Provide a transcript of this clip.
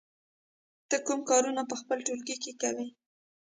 ته کوم کارونه په خپل ټولګي کې کوې؟